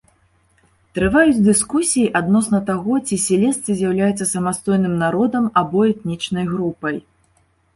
Трываюць дыскусіі адносна таго ці сілезцы з'яўляюцца самастойным народам або этнічнай групай.